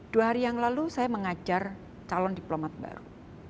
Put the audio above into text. dua hari yang lalu saya mengajar calon diplomat baru